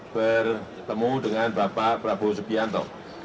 bertemu dengan bapak prabowo subianto